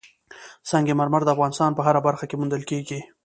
سنگ مرمر د افغانستان په هره برخه کې موندل کېږي.